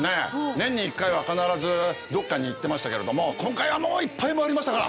年に１回は必ずどっかに行ってましたけれども今回はもういっぱい回りましたから。